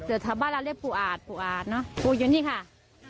อ๋อจะพูดใส่ศิลป์นะคะ